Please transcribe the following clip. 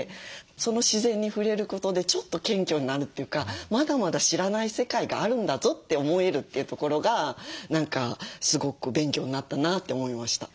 その自然に触れることでちょっと謙虚になるというか「まだまだ知らない世界があるんだぞ」って思えるというところが何かすごく勉強になったなって思いました。